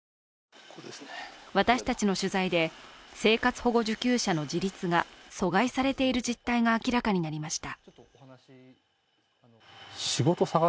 私たちの取材で生活保護受給者の自立が阻害されている実態が明らかになりました。